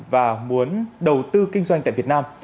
và muốn đầu tư kinh doanh tại việt nam